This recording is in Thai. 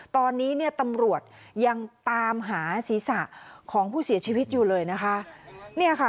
ตอนนี้ตำรวจยังตามหาศีรษะของผู้เสียชีวิตอยู่เลยนะคะ